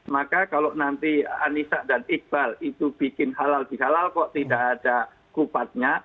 maka kalau nanti anissa dan iqbal itu bikin halal bihalal kok tidak ada kupatnya